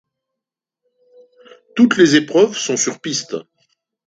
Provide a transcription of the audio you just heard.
Toutes les épreuves sont sur piste.